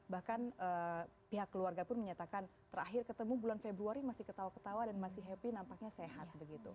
bahkan pihak keluarga pun menyatakan terakhir ketemu bulan februari masih ketawa ketawa dan masih happy nampaknya sehat